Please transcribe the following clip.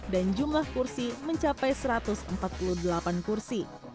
dan jumlah kursi mencapai satu ratus empat puluh delapan kursi